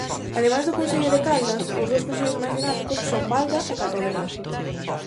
Ademais do concello de Caldas, os dous concellos máis dinámicos son Valga e Catoira.